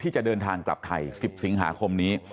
จะเดินทางกลับไทย๑๐สิงหาคมนี้